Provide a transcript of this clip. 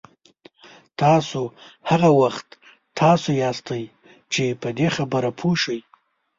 تاسو هغه وخت تاسو یاستئ چې په دې پوه شئ.